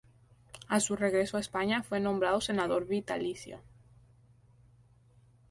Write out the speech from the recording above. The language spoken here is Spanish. A su regreso a España fue nombrado senador vitalicio.